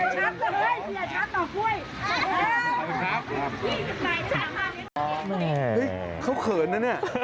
เฮ้เขาเขินน่ะนี่